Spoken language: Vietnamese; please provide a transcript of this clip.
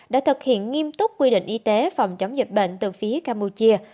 đã thực hiện nghiêm túc quy định y tế phòng chống dịch bệnh từ phía campuchia